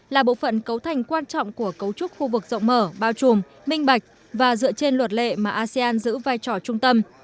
là bộ phận cấu thành quan trọng của cấu trúc khu vực rộng mở bao trùm minh bạch và dựa trên luật lệ mà asean giữ vai trò trung tâm